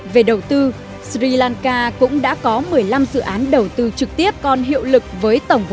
về đầu tư sri lanka cũng đã có một mươi năm dự án đầu tư trực tiếp còn hiệu lực với tổng vốn